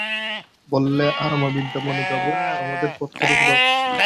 বললে, আরমা বৃন্দাবনে যাব, আমাদের পথখরচ দাও।